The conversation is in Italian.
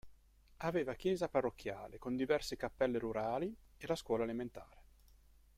Aveva Chiesa parrocchiale con diverse Cappelle rurali e la Scuola Elementare.